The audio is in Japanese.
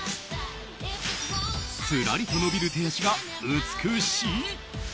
すらりと伸びる手足が美しい。